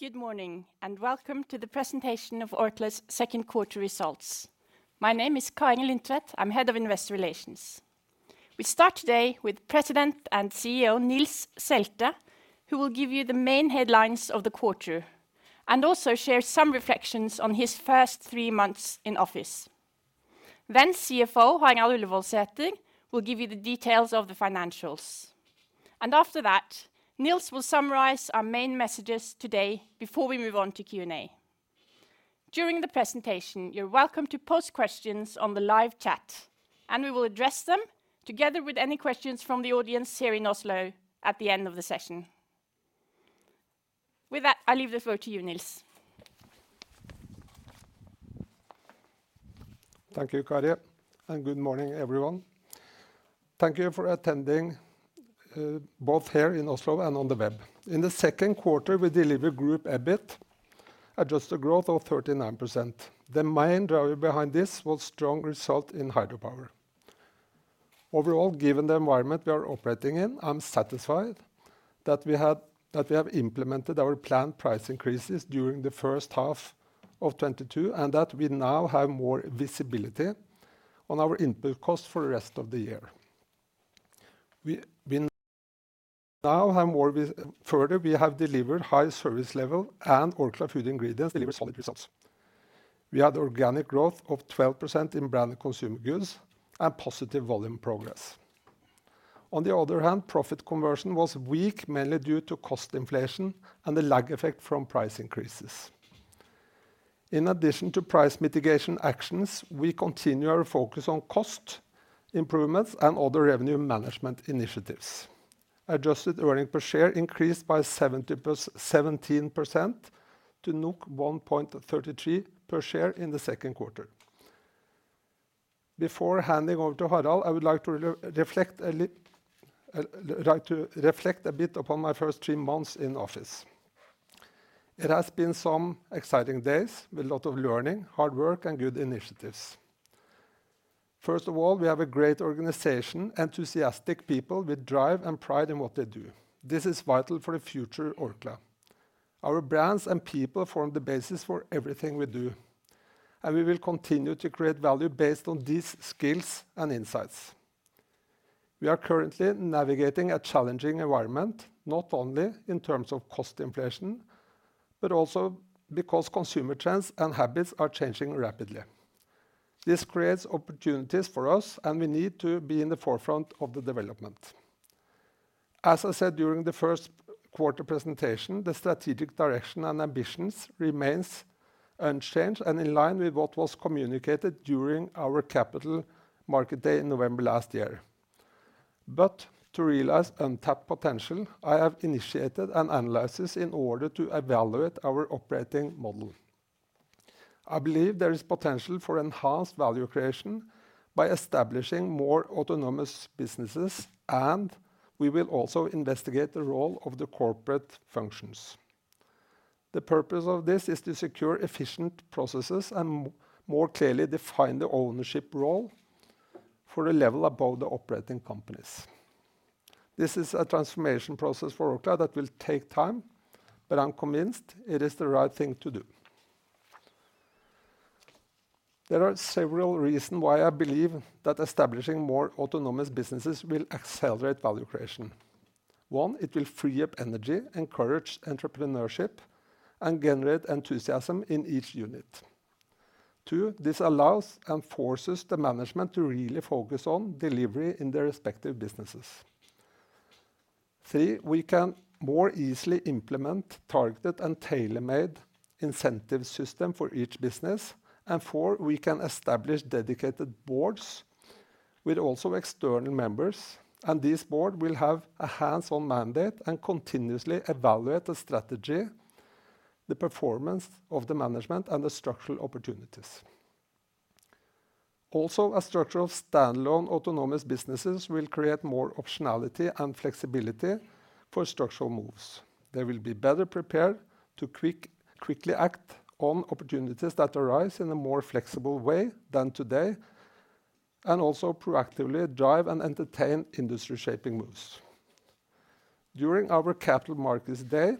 Good morning, and welcome to the presentation of Orkla's second quarter results. My name is Kari Lindtvedt. I'm head of investor relations. We start today with President and CEO, Nils K. Selte, who will give you the main headlines of the quarter and also share some reflections on his first three months in office. Then CFO, Harald Ullevoldsæter will give you the details of the financials. After that, Nils will summarize our main messages today before we move on to Q&A. During the presentation, you're welcome to post questions on the live chat, and we will address them together with any questions from the audience here in Oslo at the end of the session. With that, I leave the floor to you, Nils. Thank you, Kari. Good morning, everyone. Thank you for attending both here in Oslo and on the web. In the second quarter, we delivered group EBIT adjusted growth of 39%. The main driver behind this was strong result in hydropower. Overall, given the environment we are operating in, I'm satisfied that we have implemented our planned price increases during the first half of 2022, and that we now have more visibility on our input costs for the rest of the year. Further, we have delivered high service level and Orkla Food Ingredients deliver solid results. We had organic growth of 12% in brand consumer goods and positive volume progress. On the other hand, profit conversion was weak, mainly due to cost inflation and the lag effect from price increases. In addition to price mitigation actions, we continue our focus on cost improvements and other revenue management initiatives. Adjusted earnings per share increased by 17% to 1.33 per share in the second quarter. Before handing over to Harald, I would like to reflect a bit upon my first three months in office. It has been some exciting days with a lot of learning, hard work, and good initiatives. First of all, we have a great organization, enthusiastic people with drive and pride in what they do. This is vital for the future Orkla. Our brands and people form the basis for everything we do, and we will continue to create value based on these skills and insights. We are currently navigating a challenging environment, not only in terms of cost inflation, but also because consumer trends and habits are changing rapidly. This creates opportunities for us, and we need to be in the forefront of the development. As I said during the first quarter presentation, the strategic direction and ambitions remains unchanged and in line with what was communicated during our Capital Markets Day in November last year. To realize untapped potential, I have initiated an analysis in order to evaluate our operating model. I believe there is potential for enhanced value creation by establishing more autonomous businesses, and we will also investigate the role of the corporate functions. The purpose of this is to secure efficient processes and more clearly define the ownership role for the level above the operating companies. This is a transformation process for Orkla that will take time, but I'm convinced it is the right thing to do. There are several reasons why I believe that establishing more autonomous businesses will accelerate value creation. One, it will free up energy, encourage entrepreneurship, and generate enthusiasm in each unit. Two, this allows and forces the management to really focus on delivery in their respective businesses. Three, we can more easily implement targeted and tailor-made incentive system for each business. Four, we can establish dedicated boards with also external members, and this board will have a hands-on mandate and continuously evaluate the strategy, the performance of the management, and the structural opportunities. Also, a structure of standalone autonomous businesses will create more optionality and flexibility for structural moves. They will be better prepared to quickly act on opportunities that arise in a more flexible way than today, and also proactively drive and entertain industry shaping moves. During our Capital Markets Day,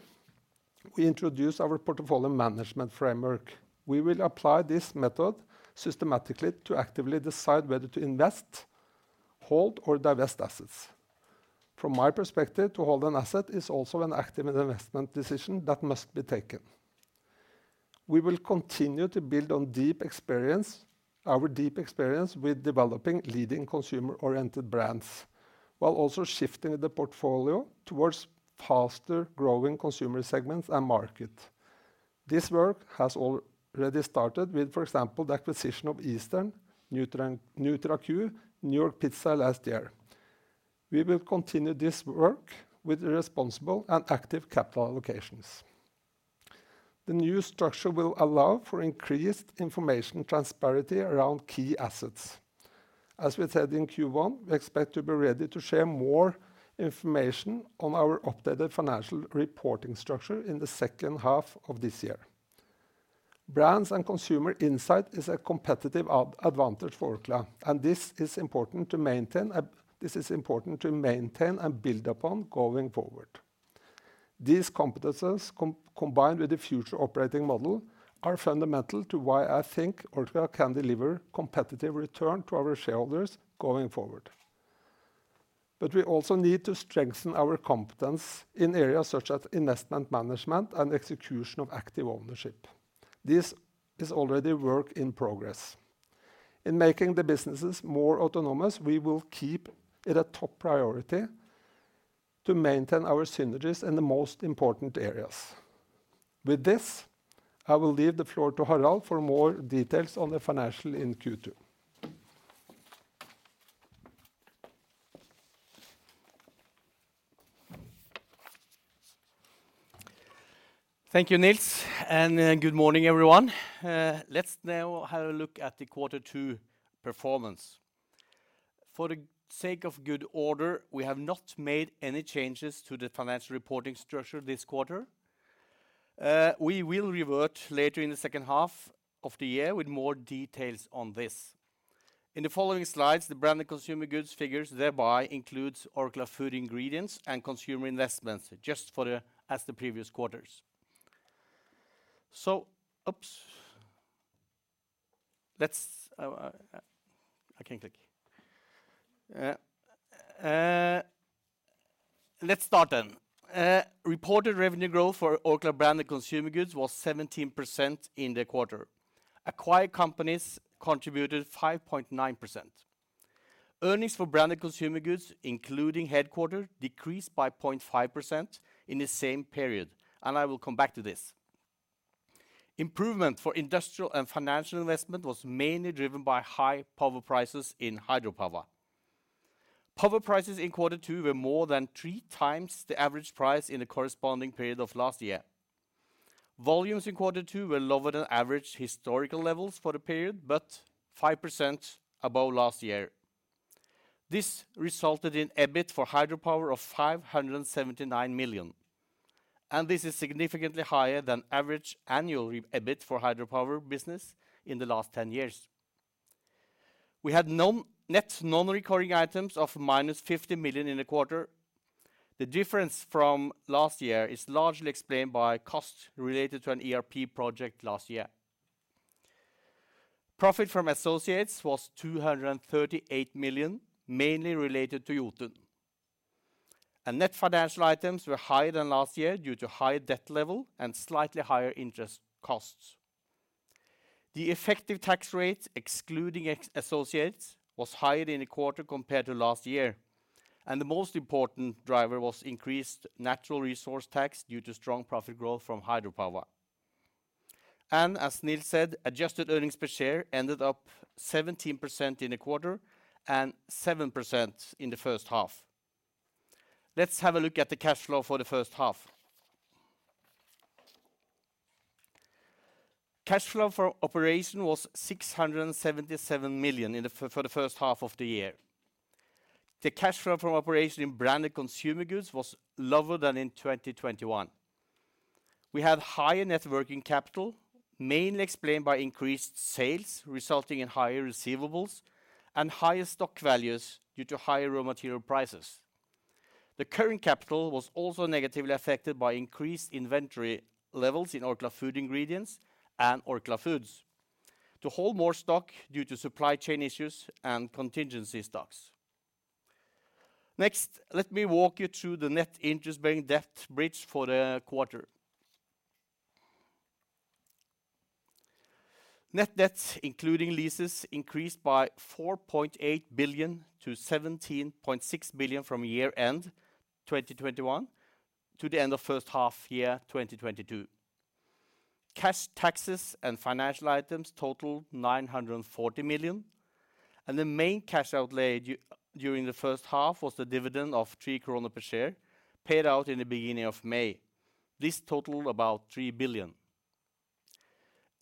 we introduced our portfolio management framework. We will apply this method systematically to actively decide whether to invest, hold, or divest assets. From my perspective, to hold an asset is also an active investment decision that must be taken. We will continue to build on our deep experience with developing leading consumer-oriented brands, while also shifting the portfolio towards faster-growing consumer segments and market. This work has already started with, for example, the acquisition of Eastern, NutraQ, New York Pizza last year. We will continue this work with responsible and active capital allocations. The new structure will allow for increased information transparency around key assets. As we said in Q1, we expect to be ready to share more information on our updated financial reporting structure in the second half of this year. Brands and consumer insight is a competitive advantage for Orkla, and this is important to maintain and build upon going forward. These competencies combined with the future operating model are fundamental to why I think Orkla can deliver competitive returns to our shareholders going forward. We also need to strengthen our competence in areas such as investment management and execution of active ownership. This is already work in progress. In making the businesses more autonomous, we will keep it a top priority to maintain our synergies in the most important areas. With this, I will leave the floor to Harald for more details on the financials in Q2. Thank you, Nils, and good morning, everyone. Let's now have a look at the quarter two performance. For the sake of good order, we have not made any changes to the financial reporting structure this quarter. We will revert later in the second half of the year with more details on this. In the following slides, the branded consumer goods figures thereby includes Orkla Food Ingredients and Orkla Consumer Investments as the previous quarters. Let's start then. Reported revenue growth for Orkla branded consumer goods was 17% in the quarter. Acquired companies contributed 5.9%. Earnings for branded consumer goods, including headquarters, decreased by 0.5% in the same period, and I will come back to this. Improvement for industrial and financial investment was mainly driven by high power prices in hydropower. Power prices in quarter two were more than three times the average price in the corresponding period of last year. Volumes in quarter two were lower than average historical levels for the period, but 5% above last year. This resulted in EBIT for hydropower of 579 million, and this is significantly higher than average annual EBIT for hydropower business in the last 10 years. We had net non-recurring items of -50 million in the quarter. The difference from last year is largely explained by costs related to an ERP project last year. Profit from associates was 238 million, mainly related to Jotun. Net financial items were higher than last year due to higher debt level and slightly higher interest costs. The effective tax rate, excluding associates, was higher in the quarter compared to last year, and the most important driver was increased natural resource tax due to strong profit growth from hydropower. As Nils said, adjusted earnings per share ended up 17% in the quarter and 7% in the first half. Let's have a look at the cash flow for the first half. Cash flow from operations was 677 million for the first half of the year. The cash flow from operations in branded consumer goods was lower than in 2021. We have higher net working capital, mainly explained by increased sales, resulting in higher receivables and higher stock values due to higher raw material prices. The current capital was also negatively affected by increased inventory levels in Orkla Food Ingredients and Orkla Foods to hold more stock due to supply chain issues and contingency stocks. Next, let me walk you through the net interest-bearing debt bridge for the quarter. Net debt, including leases, increased by 4.8 billion to 17.6 billion from year-end 2021 to the end of first half year, 2022. Cash taxes and financial items totaled 940 million, and the main cash outlaid during the first half was the dividend of 3 krone per share, paid out in the beginning of May. This totaled about 3 billion.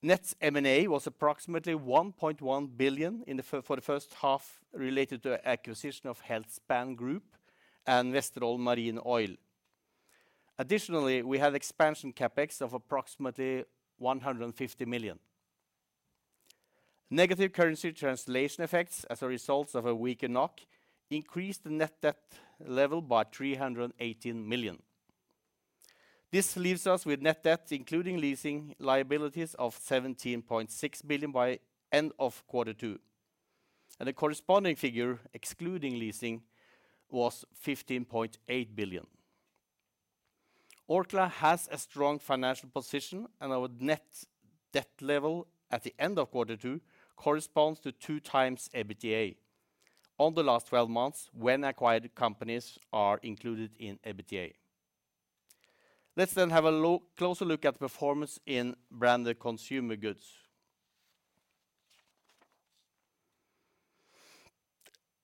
Net M&A was approximately 1.1 billion for the first half related to acquisition of Healthspan Group and Vesterålen Marine Oil. Additionally, we have expansion CapEx of approximately 150 million. Negative currency translation effects as a result of a weaker NOK increased the net debt level by 318 million. This leaves us with net debt, including leasing liabilities of 17.6 billion by end of quarter two, and the corresponding figure, excluding leasing, was 15.8 billion. Orkla has a strong financial position, and our net debt level at the end of quarter two corresponds to 2x EBITDA on the last twelve months when acquired companies are included in EBITDA. Let's then have a closer look at performance in branded consumer goods.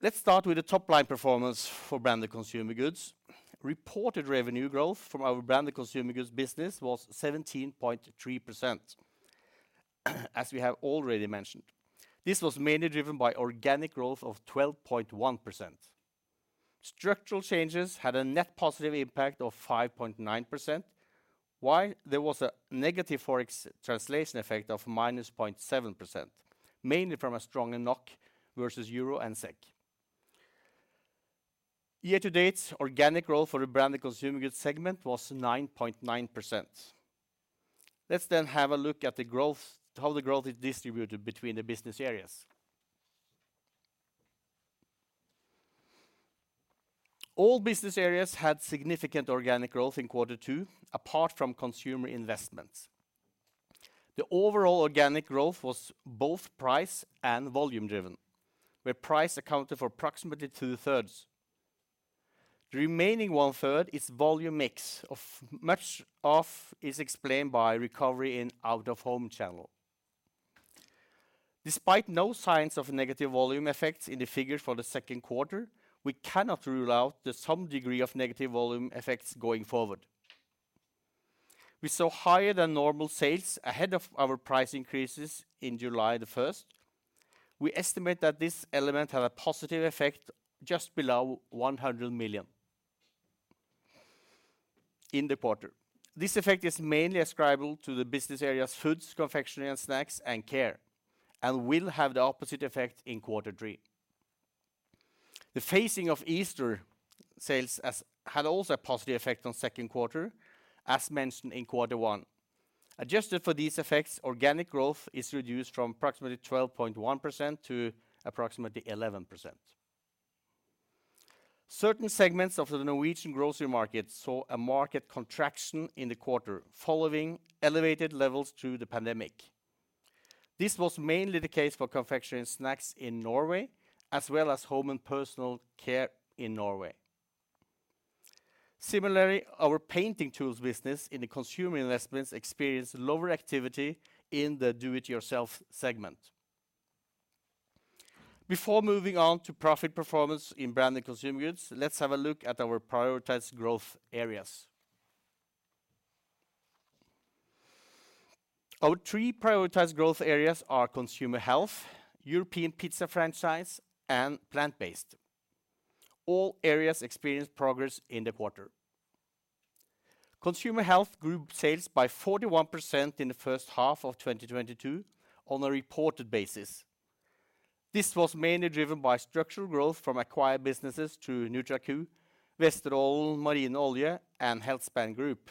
Let's start with the top-line performance for branded consumer goods. Reported revenue growth from our branded consumer goods business was 17.3%, as we have already mentioned. This was mainly driven by organic growth of 12.1%. Structural changes had a net positive impact of 5.9%, while there was a negative Forex translation effect of -0.7%, mainly from a stronger NOK versus Euro and SEK. Year to date, organic growth for the branded consumer goods segment was 9.9%. Let's then have a look at the growth, how the growth is distributed between the business areas. All business areas had significant organic growth in quarter two, apart from Consumer Investments. The overall organic growth was both price and volume driven, where price accounted for approximately two-thirds. The remaining one third is volume mix of, much of is explained by recovery in out-of-home channel. Despite no signs of negative volume effects in the figures for the second quarter, we cannot rule out that some degree of negative volume effects going forward. We saw higher than normal sales ahead of our price increases in July 1st. We estimate that this element had a positive effect just below 100 million in the quarter. This effect is mainly ascribable to the business areas Foods, Confectionery & Snacks, and Care, and will have the opposite effect in quarter three. The phasing of Easter sales had also a positive effect on second quarter, as mentioned in quarter one. Adjusted for these effects, organic growth is reduced from approximately 12.1% to approximately 11%. Certain segments of the Norwegian grocery market saw a market contraction in the quarter following elevated levels through the pandemic. This was mainly the case for confectionery and snacks in Norway, as well as home and personal care in Norway. Similarly, our painting tools business in the consumer investments experienced lower activity in the do-it-yourself segment. Before moving on to profit performance in branded consumer goods, let's have a look at our prioritized growth areas. Our three prioritized growth areas are consumer health, European pizza franchise, and plant-based. All areas experienced progress in the quarter. Consumer health grew sales by 41% in the first half of 2022 on a reported basis. This was mainly driven by structural growth from acquired businesses to NutraQ, Westerdal, Marine Olje, and Healthspan Group.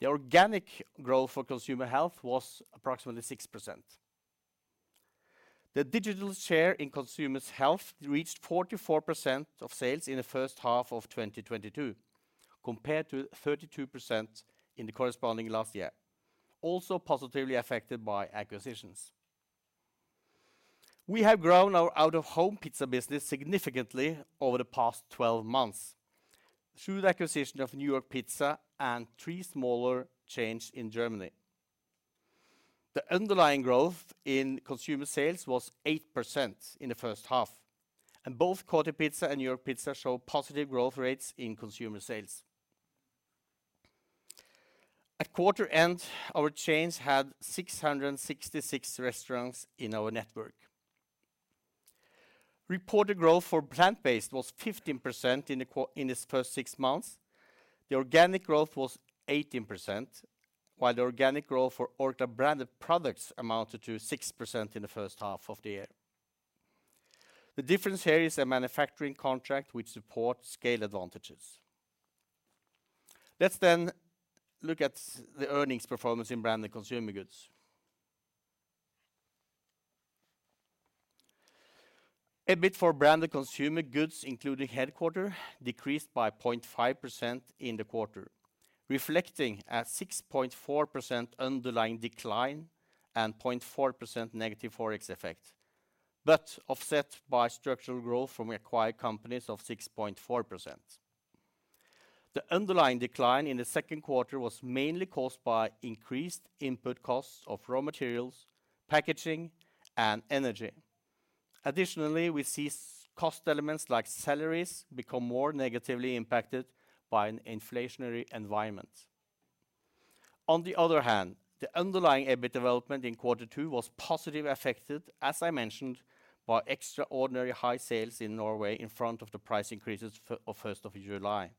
The organic growth for consumer health was approximately 6%. The digital share in consumer health reached 44% of sales in the first half of 2022, compared to 32% in the corresponding last year, also positively affected by acquisitions. We have grown our out-of-home pizza business significantly over the past 12 months through the acquisition of New York Pizza and three smaller chains in Germany. The underlying growth in consumer sales was 8% in the first half, and both Kotipizza and New York Pizza show positive growth rates in consumer sales. At quarter end, our chains had 666 restaurants in our network. Reported growth for plant-based was 15% in its first six months. The organic growth was 18%, while the organic growth for Orkla branded products amounted to 6% in the first half of the year. The difference here is a manufacturing contract which supports scale advantages. Let's then look at the earnings performance in branded consumer goods. EBIT for Branded Consumer Goods, including headquarters, decreased by 0.5% in the quarter, reflecting a 6.4% underlying decline and 0.4% negative Forex effect, but offset by structural growth from acquired companies of 6.4%. The underlying decline in the second quarter was mainly caused by increased input costs of raw materials, packaging, and energy. Additionally, we see cost elements like salaries become more negatively impacted by an inflationary environment. On the other hand, the underlying EBIT development in quarter two was positively affected, as I mentioned, by extraordinary high sales in Norway in front of the price increases of 1st of July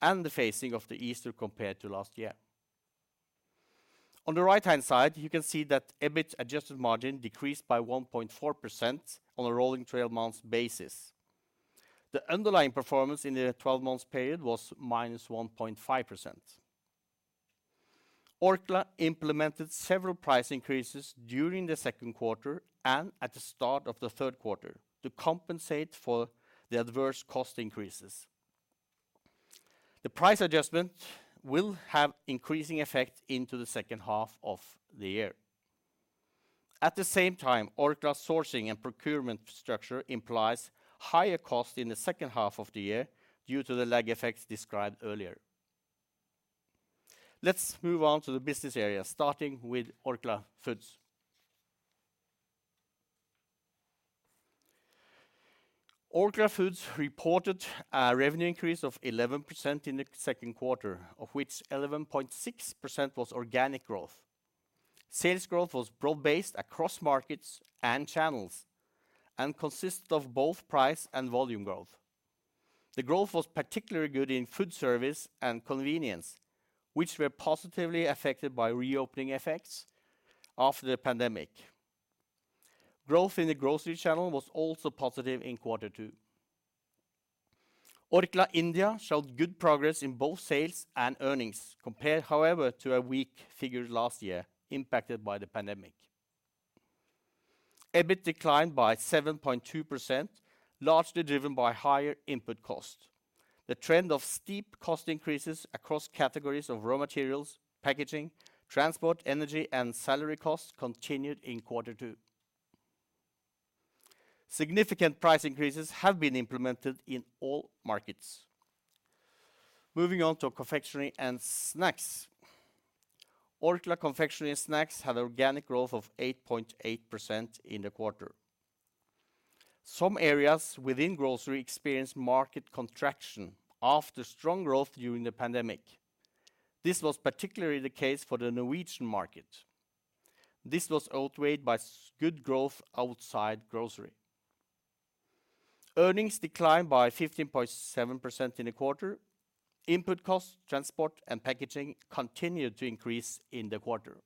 and the phasing of Easter compared to last year. On the right-hand side, you can see that EBIT adjusted margin decreased by 1.4% on a rolling 12 months basis. The underlying performance in the 12 months period was -1.5%. Orkla implemented several price increases during the second quarter and at the start of the third quarter to compensate for the adverse cost increases. The price adjustment will have increasing effect into the second half of the year. At the same time, Orkla sourcing and procurement structure implies higher cost in the second half of the year due to the lag effects described earlier. Let's move on to the business area, starting with Orkla Foods. Orkla Foods reported a revenue increase of 11% in the second quarter, of which 11.6% was organic growth. Sales growth was broad-based across markets and channels and consisted of both price and volume growth. The growth was particularly good in food service and convenience, which were positively affected by reopening effects after the pandemic. Growth in the grocery channel was also positive in quarter two. Orkla India showed good progress in both sales and earnings compared, however, to a weak figure last year impacted by the pandemic. EBIT declined by 7.2%, largely driven by higher input costs. The trend of steep cost increases across categories of raw materials, packaging, transport, energy, and salary costs continued in quarter two. Significant price increases have been implemented in all markets. Moving on to confectionery and snacks. Orkla Confectionery and Snacks had organic growth of 8.8% in the quarter. Some areas within grocery experienced market contraction after strong growth during the pandemic. This was particularly the case for the Norwegian market. This was outweighed by good growth outside grocery. Earnings declined by 15.7% in the quarter. Input costs, transport, and packaging continued to increase in the quarter.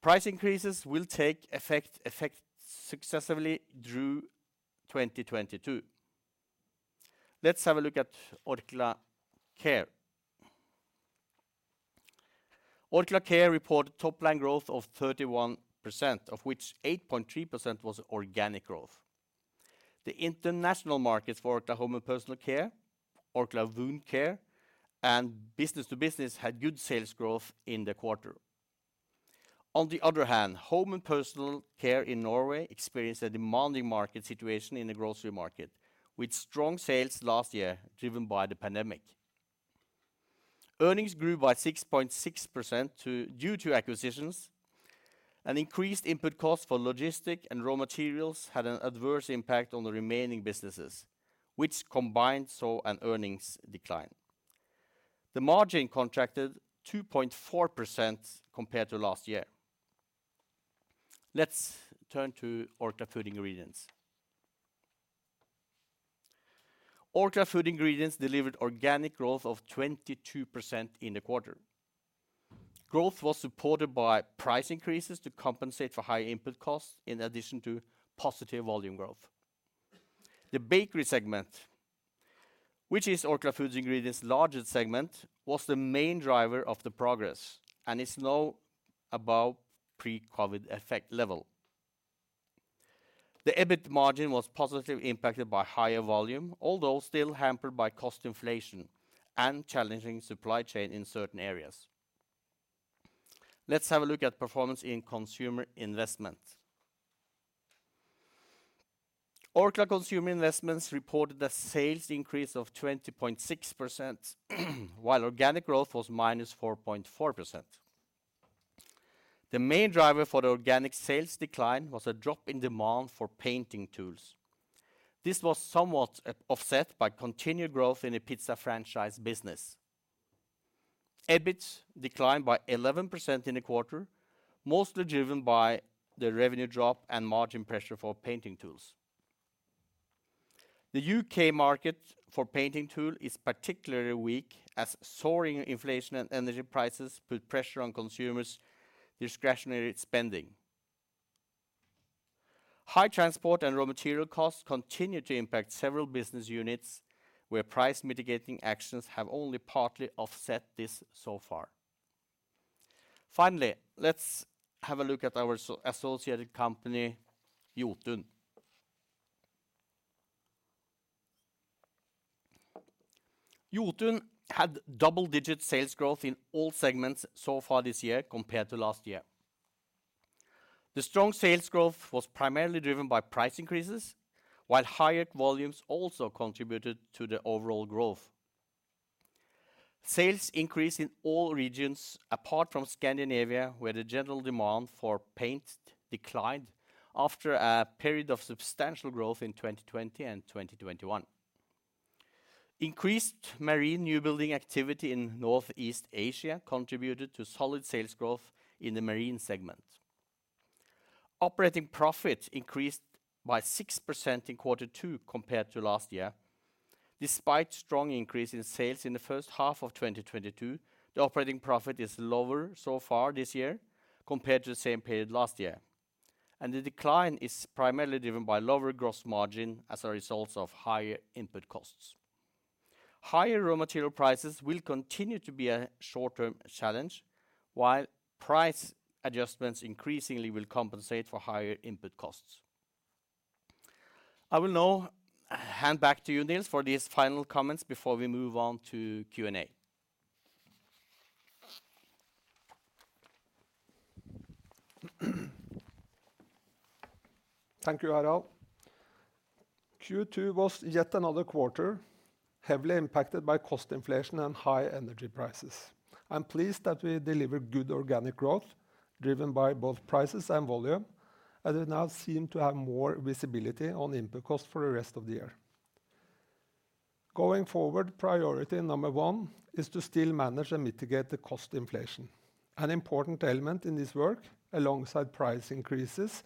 Price increases will take effect successively through 2022. Let's have a look at Orkla Care. Orkla Care reported top-line growth of 31%, of which 8.3% was organic growth. The international markets for Orkla Home & Personal Care, Orkla Wound Care, and business to business had good sales growth in the quarter. On the other hand, home and personal care in Norway experienced a demanding market situation in the grocery market, with strong sales last year driven by the pandemic. Earnings grew by 6.6% due to acquisitions, and increased input costs for logistics and raw materials had an adverse impact on the remaining businesses, which combined saw an earnings decline. The margin contracted 2.4% compared to last year. Let's turn to Orkla Food Ingredients. Orkla Food Ingredients delivered organic growth of 22% in the quarter. Growth was supported by price increases to compensate for high input costs in addition to positive volume growth. The bakery segment, which is Orkla Food Ingredients' largest segment, was the main driver of the progress and is now above pre-COVID effect level. The EBIT margin was positively impacted by higher volume, although still hampered by cost inflation and challenging supply chain in certain areas. Let's have a look at performance in Consumer Investments. Orkla Consumer Investments reported a sales increase of 20.6%, while organic growth was -4.4%. The main driver for the organic sales decline was a drop in demand for painting tools. This was somewhat offset by continued growth in the pizza franchise business. EBIT declined by 11% in the quarter, mostly driven by the revenue drop and margin pressure for painting tools. The UK market for painting tools is particularly weak as soaring inflation and energy prices put pressure on consumers' discretionary spending. High transport and raw material costs continue to impact several business units, where price mitigating actions have only partly offset this so far. Finally, let's have a look at our associated company, Jotun. Jotun had double-digit sales growth in all segments so far this year compared to last year. The strong sales growth was primarily driven by price increases, while higher volumes also contributed to the overall growth. Sales increased in all regions apart from Scandinavia, where the general demand for paint declined after a period of substantial growth in 2020 and 2021. Increased marine new building activity in Northeast Asia contributed to solid sales growth in the marine segment. Operating profit increased by 6% in quarter two compared to last year. Despite strong increase in sales in the first half of 2022, the operating profit is lower so far this year compared to the same period last year. The decline is primarily driven by lower gross margin as a result of higher input costs. Higher raw material prices will continue to be a short-term challenge, while price adjustments increasingly will compensate for higher input costs. I will now hand back to you, Nils, for these final comments before we move on to Q&A. Thank you, Harald. Q2 was yet another quarter heavily impacted by cost inflation and high energy prices. I'm pleased that we delivered good organic growth driven by both prices and volume, and we now seem to have more visibility on input costs for the rest of the year. Going forward, priority number one is to still manage and mitigate the cost inflation. An important element in this work, alongside price increases,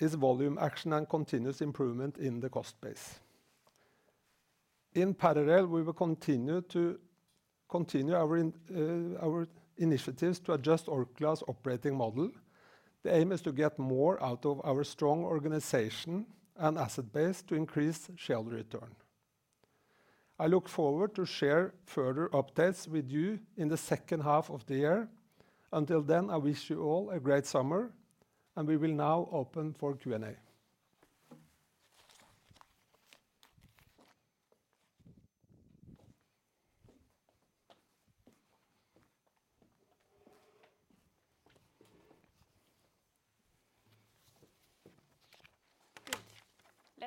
is volume action and continuous improvement in the cost base. In parallel, we will continue our initiatives to adjust Orkla's operating model. The aim is to get more out of our strong organization and asset base to increase shareholder return. I look forward to share further updates with you in the second half of the year. Until then, I wish you all a great summer, and we will now open for Q&A. Good. Let's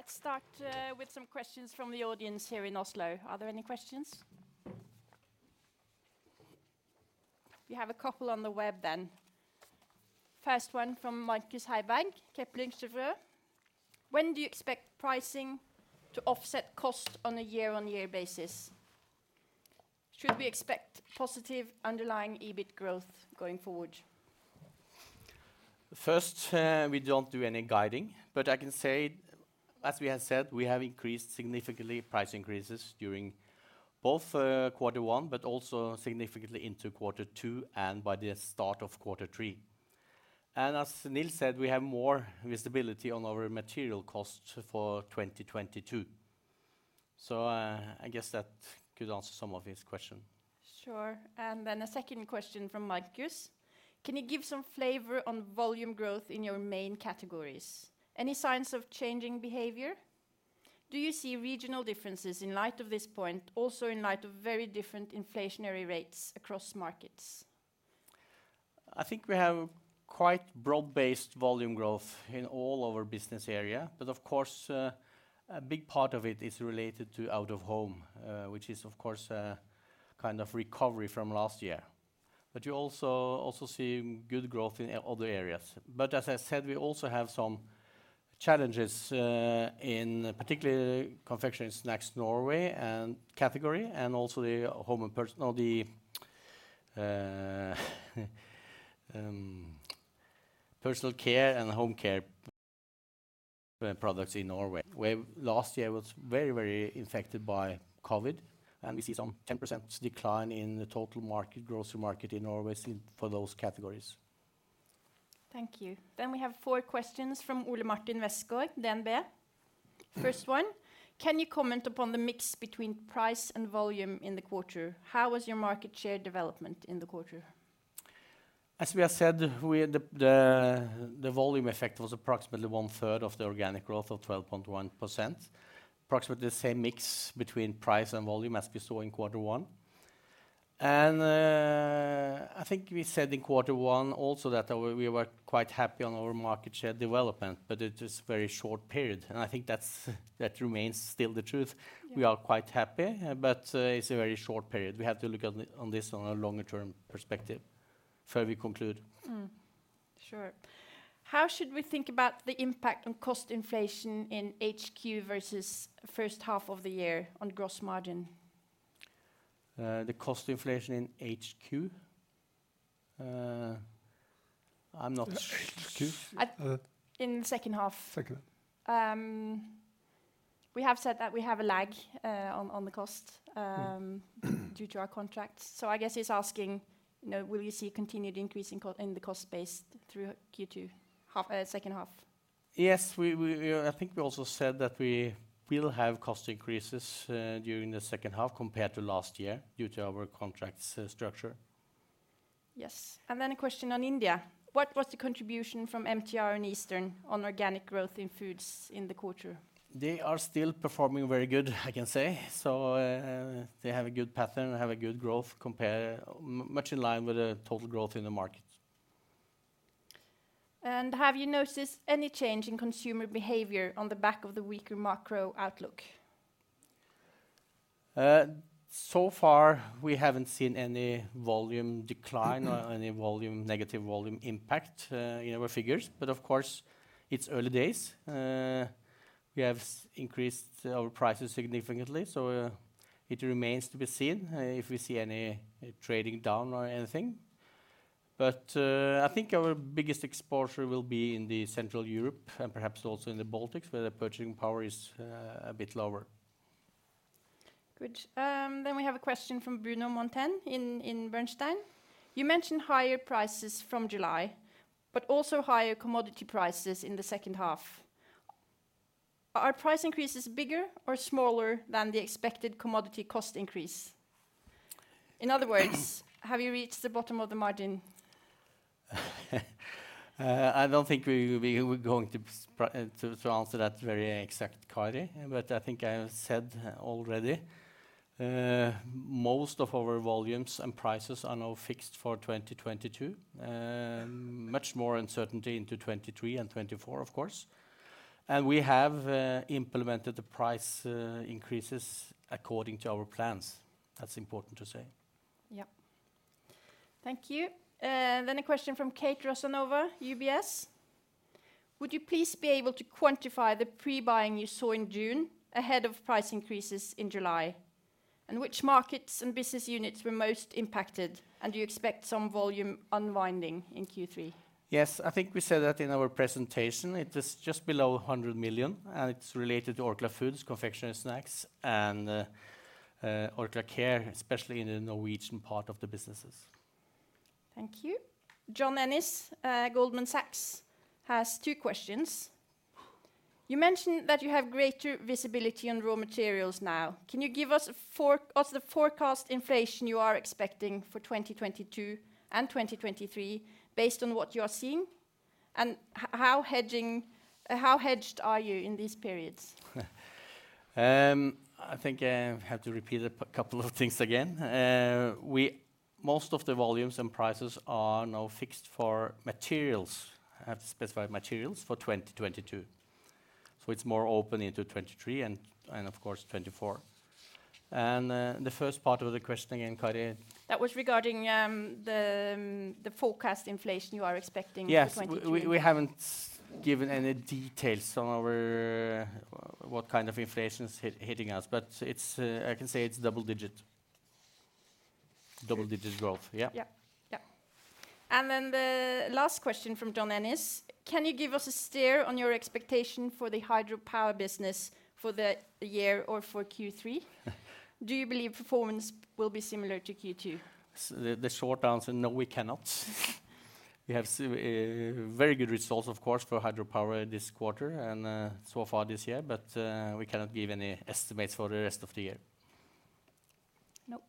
start with some questions from the audience here in Oslo. Are there any questions? We have a couple on the web then. First one from Markus Heibach, Kepler Cheuvreux: When do you expect pricing to offset cost on a year-on-year basis? Should we expect positive underlying EBIT growth going forward? First, we don't do any guiding, but I can say, as we have said, we have increased significantly price increases during both, quarter one, but also significantly into quarter two and by the start of quarter three. As Nils said, we have more visibility on our material costs for 2022. I guess that could answer some of his question. Sure. A second question from Markus: Can you give some flavor on volume growth in your main categories? Any signs of changing behavior? Do you see regional differences in light of this point, also in light of very different inflationary rates across markets? I think we have quite broad-based volume growth in all our business area, but of course, a big part of it is related to out-of-home, which is of course a kind of recovery from last year. You also see good growth in other areas. As I said, we also have some challenges in particular confectionery & snacks Norway and category, and also the home & personal care products in Norway, where last year was very affected by COVID, and we see some 10% decline in the total market, grocery market in Norway for those categories. Thank you. We have four questions from Ole-Martin Westgaard, DNB. First one: Can you comment upon the mix between price and volume in the quarter? How was your market share development in the quarter? As we have said, the volume effect was approximately 1/3 of the organic growth of 12.1%. Approximately the same mix between price and volume as we saw in quarter one. I think we said in quarter one also that we were quite happy on our market share development, but it is very short period, and I think that remains still the truth. Yeah. We are quite happy, but it's a very short period. We have to look at this on a longer term perspective before we conclude. Sure. How should we think about the impact on cost inflation in H2 versus first half of the year on gross margin? The cost inflation in H2? In the second half. Second. We have said that we have a lag on the cost due to our contracts. I guess he's asking, you know, will you see continued increase in the cost base through Q2 H2 second half? Yes. I think we also said that we will have cost increases during the second half compared to last year due to our contract structure. Yes. A question on India: What was the contribution from MTR and Eastern on organic growth in foods in the quarter? They are still performing very good, I can say. They have a good pattern and have a good growth compared, much in line with the total growth in the market. Have you noticed any change in consumer behavior on the back of the weaker macro outlook? So far, we haven't seen any volume decline or negative volume impact in our figures, but of course, it's early days. We have increased our prices significantly, so it remains to be seen if we see any trading down or anything. I think our biggest exposure will be in Central Europe and perhaps also in the Baltics, where the purchasing power is a bit lower. Good. We have a question from Bruno Monteyne in Bernstein: You mentioned higher prices from July, but also higher commodity prices in the second half. Are price increases bigger or smaller than the expected commodity cost increase? In other words, have you reached the bottom of the margin? I don't think we were going to answer that very exactly, but I think I said already, most of our volumes and prices are now fixed for 2022. Much more uncertainty into 2023 and 2024, of course. We have implemented the price increases according to our plans. That's important to say. Yep. Thank you. A question from Kate Rusanova, UBS. Would you please be able to quantify the pre-buying you saw in June ahead of price increases in July? Which markets and business units were most impacted, and do you expect some volume unwinding in Q3? Yes. I think we said that in our presentation. It is just below 100 million, and it's related to Orkla Foods, Orkla Confectionery & Snacks, and Orkla Care, especially in the Norwegian part of the businesses. Thank you. John Ennis, Goldman Sachs, has two questions. You mentioned that you have greater visibility on raw materials now. Can you give us the forecast inflation you are expecting for 2022 and 2023 based on what you are seeing? How hedged are you in these periods? I think I have to repeat a couple of things again. Most of the volumes and prices are now fixed for materials. I have to specify materials for 2022, so it's more open into 2023 and of course 2024. The first part of the question again, Kari? That was regarding the forecast inflation you are expecting for 2020. Yes. We haven't given any details on what kind of inflation's hitting us, but I can say it's double-digit. It's double-digit growth. Yeah. Yeah. Yeah. The last question from John Ennis. Can you give us a steer on your expectation for the hydropower business for the year or for Q3? Do you believe performance will be similar to Q2? The short answer, no, we cannot. We have very good results, of course, for hydropower this quarter and, so far this year, but, we cannot give any estimates for the rest of the year. Nope.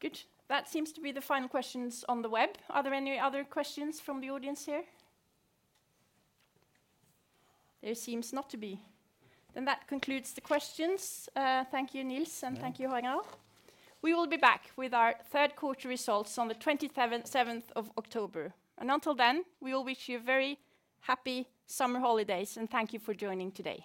Good. That seems to be the final questions on the web. Are there any other questions from the audience here? There seems not to be. Then that concludes the questions. Thank you, Nils, and thank you, Harald. We will be back with our third quarter results on the 27th, 7th of October. Until then, we all wish you a very happy summer holidays, and thank you for joining today.